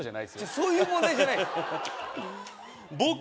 そういう問題じゃないボク